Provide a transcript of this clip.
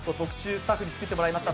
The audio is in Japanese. スタッフに作ってもらいました。